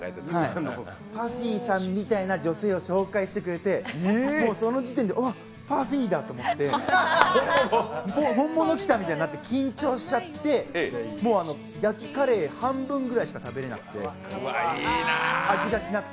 ＰＵＦＦＹさんみたいな子を紹介してくれて、その時点でうわっＰＵＦＦＹだと思って本物きたと思って緊張しちゃって、もう焼きカレー、半分ぐらいしか食べれなくて、味がしなくて。